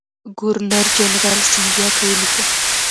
ګورنرجنرال سیندهیا ته ولیکل.